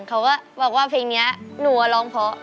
เขาก็บอกว่าเพลงนี้หนูร้องเพราะ